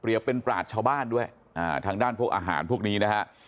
เปรียบเป็นปราชาบ้านด้วยทางด้านพวกอาหารพวกนี้นะครับ